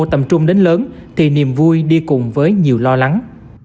tầm trung đến lớn thì niềm vui đi cùng với nhiều lo lắng